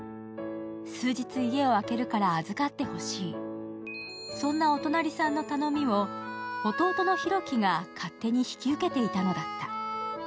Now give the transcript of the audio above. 数日家を空けるから預かってほしい、そんなお隣さんの頼みを弟の佑樹が勝手に引き受けていたのだった。